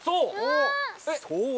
そう！